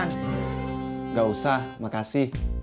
nggak usah makasih